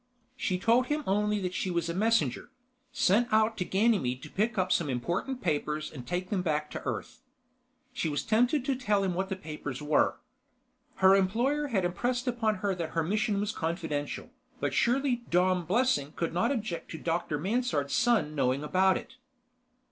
She told him only that she was a messenger, sent out to Ganymede to pick up some important papers and take them back to Earth. She was tempted to tell him what the papers were. Her employer had impressed upon her that her mission was confidential, but surely Dom Blessing could not object to Dr. Mansard's son knowing about it.